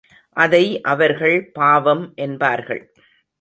அதை அவர்கள் பாவம் என்பார்கள்.